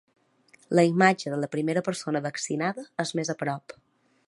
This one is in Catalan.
La imatge de la primera persona vaccinada és més a prop.